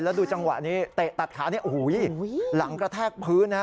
ถ้าดูจังหวะนี้เตะตัดขาหลังกระแทกพื้นนะ